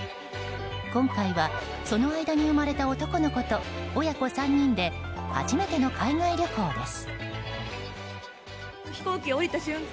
今回は、その間に生まれた男の子と親子３人で初めての海外旅行です。